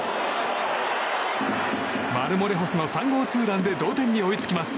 マルモレホスの３号ツーランで同点に追いつきます。